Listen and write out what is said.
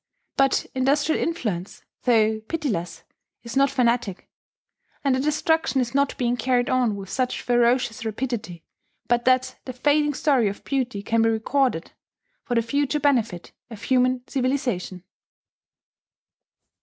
But industrial influence, though pitiless, is not fanatic; and the destruction is not being carried on with such ferocious rapidity but that the fading story of beauty can be recorded for the future benefit of human civilization.